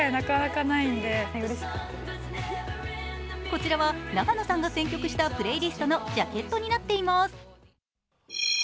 こちらは永野さんが選曲したプレイリストのジャケットになっています。